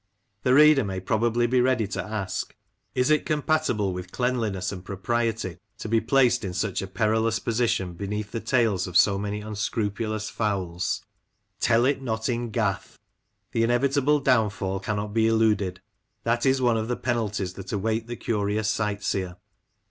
The reader may probably be ready to ask, " Is it com patible with cleanliness and propriety to be placed in such a perilous position beneath the tails of so many unscrupulous fowls ?" Tell it not in Gath ! The inevitable downfall cannot be eluded That is one of the penalties that await the curious sight seer.